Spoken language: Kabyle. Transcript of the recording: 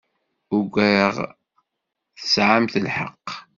Ugaɣ tesɛamt lḥeqq.